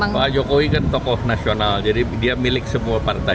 pak jokowi kan tokoh nasional jadi dia milik semua partai